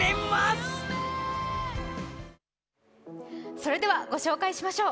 それではご紹介しましょう。